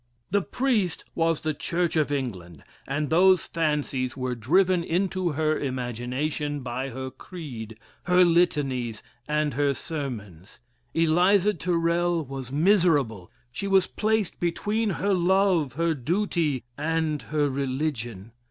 This priest was the Church of England, and those fancies were driven into her imagination by her creed, her litanies, and her sermons. Eliza Tyrrel was miserable; she was placed between her love, her duty, and her religion.